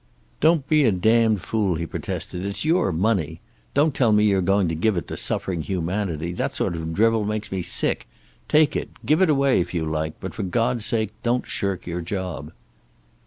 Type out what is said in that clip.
"Don't be a damned fool," he protested. "It's your money. Don't tell me you're going to give it to suffering humanity. That sort of drivel makes me sick. Take it, give it away if you like, but for God's sake don't shirk your job."